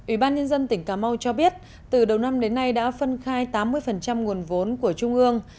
ubnd tỉnh cà mau cho biết từ đầu năm đến nay đã phân khai tám mươi nguồn vốn của trung ương